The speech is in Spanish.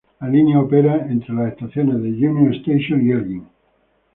La línea opera entre las estaciones Union Station y Elgin.